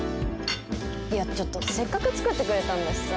いやちょっとせっかく作ってくれたんだしさ。